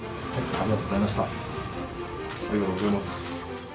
ありがとうございます。